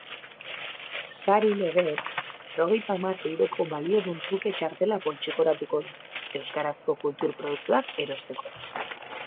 Sari legez, berrogeita hamar euroko baliodun truke txartela poltsikoratuko du, euskarazko kultur produktuak erosteko.